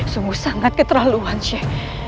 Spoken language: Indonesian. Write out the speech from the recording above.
sungguh sangat keterlaluan shay